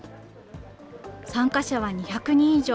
参加者は２００人以上。